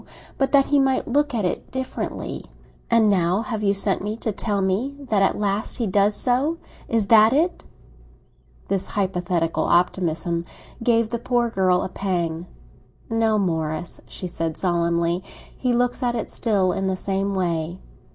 But that he might look at it differently." "And now you have sent for me to tell me that at last he does so. Is that it?" This hypothetical optimism gave the poor girl a pang. "No, Morris," she said solemnly, "he looks at it still in the same way."